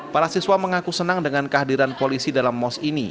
para siswa mengaku senang dengan kehadiran polisi dalam mos ini